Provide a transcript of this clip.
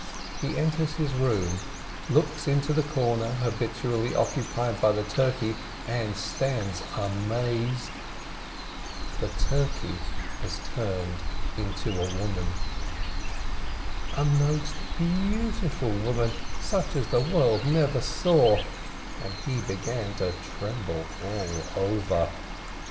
He enters his room, looks into the corner habitually occupied by the turkey, and stands amazed — the turkey has turned into a woman, a most beautiful woman, such as the world never saw, and he begins to tremble all over.